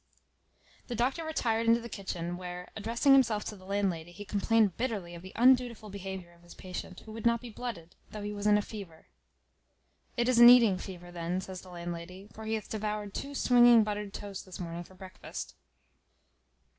The doctor retired into the kitchen, where, addressing himself to the landlady, he complained bitterly of the undutiful behaviour of his patient, who would not be blooded, though he was in a fever. "It is an eating fever then," says the landlady; "for he hath devoured two swinging buttered toasts this morning for breakfast."